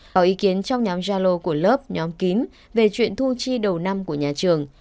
có ý kiến trong nhóm jalo của lớp nhóm kín về chuyện thu chi đầu năm của nhà trường